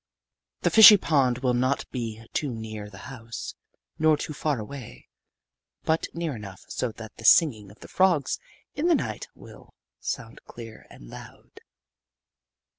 The fishy pond will not be too near the house, nor too far away but near enough so that the singing of the frogs in the night will sound clear and loud.